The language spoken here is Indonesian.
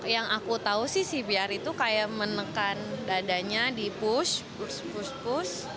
yang aku tahu sih cpr itu kayak menekan dadanya di push push push push